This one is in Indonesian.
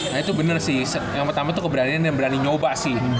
nah itu bener sih yang pertama itu keberanian dan berani nyoba sih